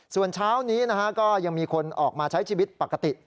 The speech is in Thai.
ส่วนเช้านี้ก็ยังมีคนออกมาใช้ชีวิตปกติ